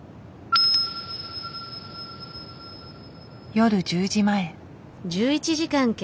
夜１０時前。